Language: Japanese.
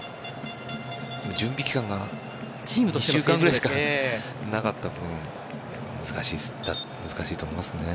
準備期間が１週間ぐらいしかなかった分難しいと思いますね。